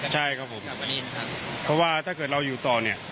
ใช่ครับผมเพราะว่าถ้าเกิดเราอยู่ต่อเนี่ย